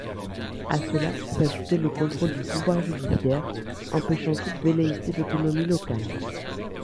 À cela, s'ajoutait le contrôle du pouvoir judiciaire, empêchant toute velléité d'autonomie locale.